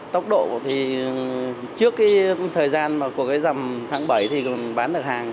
tốc độ thì trước cái thời gian của cái dầm tháng bảy thì bán được hàng